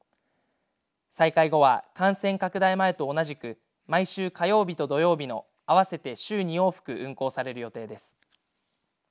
再開後は感染拡大前と同じく毎週火曜日と土曜日の合わせて週２往復運航される予定です。